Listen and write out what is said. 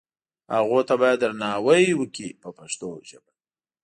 هغو ته باید درناوی وکړي په پښتو ژبه.